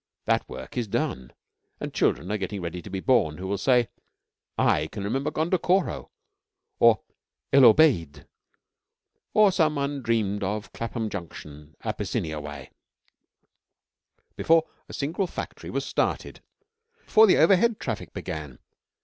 That work is done, and children are getting ready to be born who will say: 'I can remember Gondokoro (or El Obeid or some undreamed of Clapham Junction, Abyssinia way) before a single factory was started before the overhead traffic began.